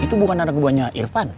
itu bukan anak keduanya irfan